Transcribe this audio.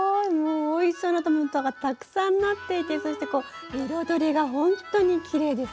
おいしそうなトマトがたくさんなっていてそして彩りがほんとにきれいですよね。